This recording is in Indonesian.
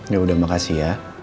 yaudah makasih ya